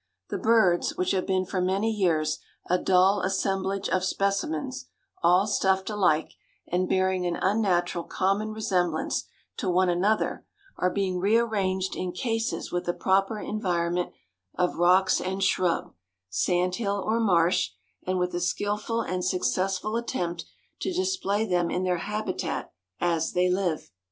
The birds, which have been for many years a dull assemblage of specimens, all stuffed alike, and bearing an unnatural common resemblance to one another, are being rearranged in cases with a proper environment of rocks and shrub, sandhill or marsh; and with a skillful and successful attempt to display them in their habitat as they live.